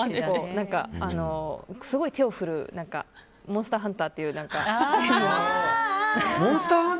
すごい手を振る「モンスターハンター」っていうゲーム。